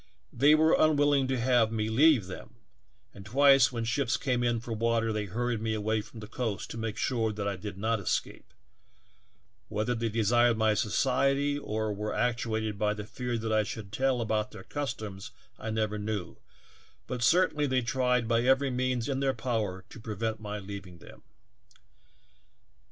They were unwilling to have me leave them, and twice when ships came in for water they hur ried me away from the coast to make sure that I did not escape; whether they desired my society or were actuated by the fear that I should tell about their customs I never knew, but certainly they tried by every means in their power to pre vent my leaving them.